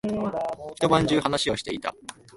一晩中話をしていた。